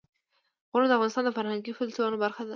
غرونه د افغانستان د فرهنګي فستیوالونو برخه ده.